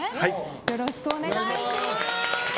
よろしくお願いします。